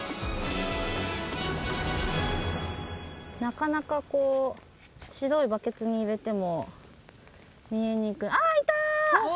なかなかこう白いバケツに入れても見えにくい。